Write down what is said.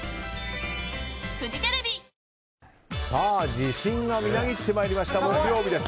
自信がみなぎってまいりました木曜日です。